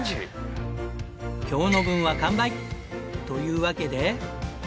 今日の分は完売！というわけで。